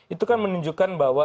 itu kan menunjukkan bahwa